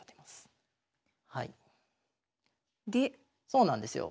そうなんですよ。